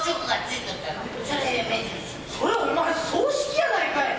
それお前葬式やないかい！